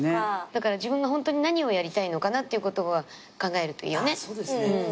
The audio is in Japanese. だから自分がホントに何をやりたいのかなっていうことは考えるといいよね。